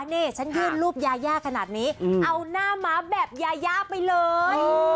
นี่ฉันยื่นรูปยายาขนาดนี้เอาหน้าม้าแบบยายาไปเลย